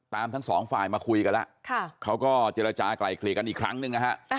ทั้งสองฝ่ายมาคุยกันแล้วเขาก็เจรจากลายเกลี่ยกันอีกครั้งหนึ่งนะฮะ